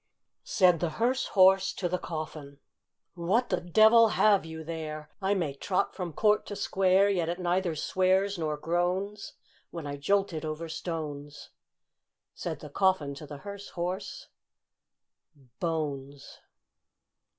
Said the hearse horse to the coffin, "What the devil have you there? I may trot from court to square, Yet it neither swears nor groans, When I jolt it over stones." Said the coffin to the hearse horse, "Bones!"